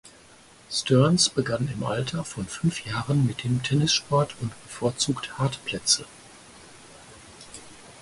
Stearns begann im Alter von fünf Jahren mit dem Tennissport und bevorzugt Hartplätze.